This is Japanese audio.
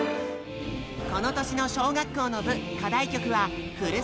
この年の小学校の部課題曲は「ふるさと」。